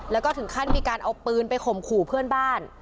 แล้วก็ถึงขั้นมีการเอาปืนไปข่มขู่เพื่อนบ้าน